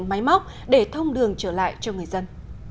máy móc để thông đường trở lại cho người dân